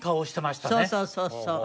そうそうそうそう。